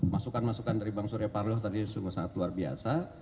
masukan masukan dari bang surya paloh tadi sungguh sangat luar biasa